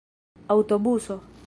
aŭtobuso